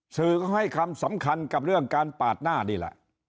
สื่อก็ให้คำสำคัญกับเรื่องการปาดหน้านี่แหละ